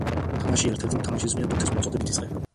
თამაში ერთ-ერთი მოთამაშის მიერ ბურთის მოწოდებით იწყება.